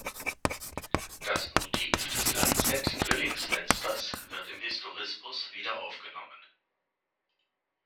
Das Motiv des Lanzett-Drillingsfensters wird im Historismus wiederaufgenommen.